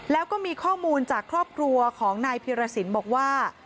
แล้วก็มีข้อมูลจากครอบครัวของนายพิรสินบอกว่า